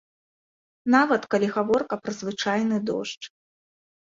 Нават калі гаворка пра звычайны дождж.